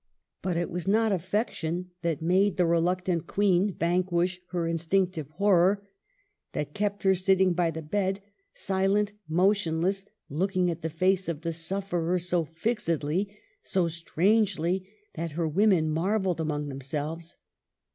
But it was not affec tion that made the reluctant Queen vanquish her instinctive horror; that kept her sitting by the bed, silent, motionless, looking at the face of the sufferer so fixedly, so strangely, that her women marvelled among themselves.